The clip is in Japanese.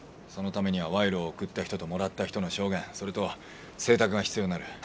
そのためには賄賂を贈った人ともらった人の証言それと請託が必要になる。